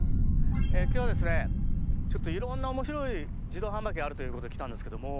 今日はいろんな面白い自動販売機があるということで来たんですけども。